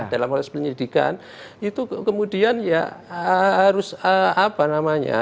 dalam proses penyidikan itu kemudian ya harus apa namanya